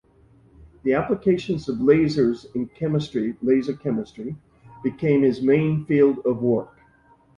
The application of lasers in chemistry (laser chemistry) became his main field of work.